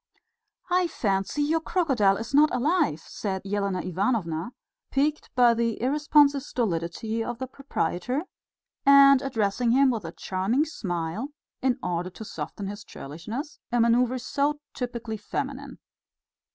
"I fancy your crocodile is not alive," said Elena Ivanovna, piqued by the irresponsive stolidity of the proprietor, and addressing him with a charming smile in order to soften his churlishness a manoeuvre so typically feminine.